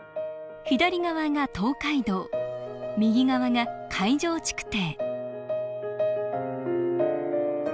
左側が東海道右側が海上築堤